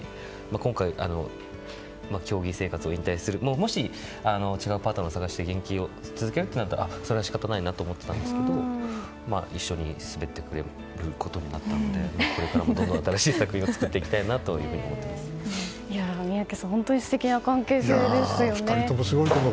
今回、競技生活を引退するもし違うパートナーを探して、現役を続けるとなったらそれは仕方ないと思っていたんですが一緒に滑ってくれることになったのでこれからもどんどん新しい作品を宮家さん２人ともすごいと思う。